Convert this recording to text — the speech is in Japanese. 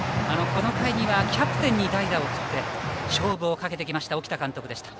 この回にはキャプテンに代打を送って勝負をかけてきました沖田監督でした。